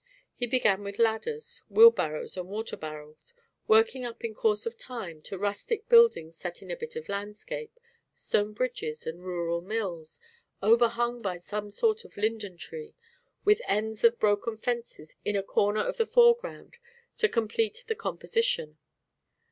He began with ladders, wheel barrows and water barrels, working up in course of time to rustic buildings set in a bit of landscape; stone bridges and rural mills, overhung by some sort of linden tree, with ends of broken fences in a corner of the foreground to complete the composition.